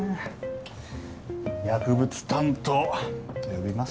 ちっ薬物担当呼びます。